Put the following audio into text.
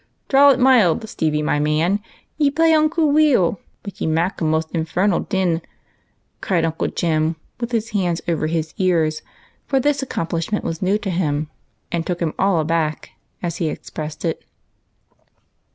" Draw it mild, Stenie, my man ; ye play unco weel, but ye mak a most infernal, din," cried Uncle Jem, with his hands over his ears, for this accomplishment was new to him, and " took him all aback," as he ex pressed it.